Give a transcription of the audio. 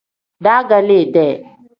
Daagaliide.